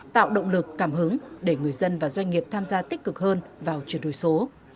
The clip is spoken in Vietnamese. tạo động lực cảm hứng để người dân và doanh nghiệp tham gia tích cực hơn vào chuyển đổi số